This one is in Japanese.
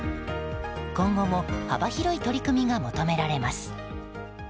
今後も幅広い取り組みが求められます。